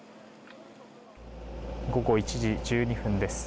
午後１時１２分です。